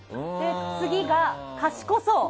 次が賢そう。